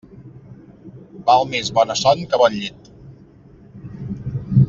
Val més bona son que bon llit.